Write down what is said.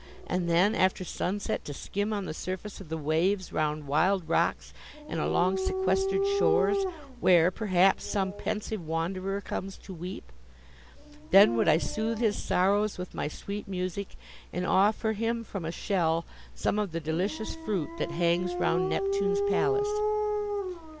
and then, after sunset, to skim on the surface of the waves round wild rocks and along sequestered shores, where, perhaps, some pensive wanderer comes to weep! Then would I soothe his sorrows with my sweet music, and offer him from a shell some of the delicious fruit that hangs round Neptune's palace."